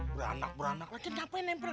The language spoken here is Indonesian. beranak beranak lah kan capek nempret